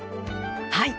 はい。